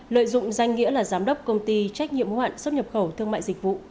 lợi dụng danh nghĩa là giám đốc công ty trách nhiệm hoạn xuất nhập khẩu thương mại dịch vụ